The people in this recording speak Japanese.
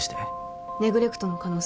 ネグレクトの可能性は？